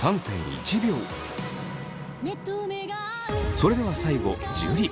それでは最後樹。